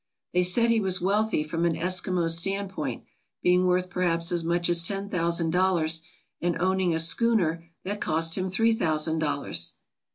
They said he was wealthy from an Eskimo standpoint, being worth perhaps as much as ten thousand dollars and owning a schooner that cost him three thousand dollars.